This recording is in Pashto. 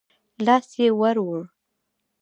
لاس يې ور ووړ.